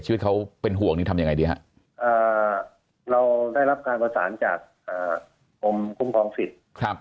ชีวิตเขาเป็นห่วงนี่ทำยังไงดีฮะเราได้รับการประสานจากกรมคุ้มครองสิทธิ์